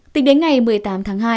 tính đến ngày một mươi tám tháng hai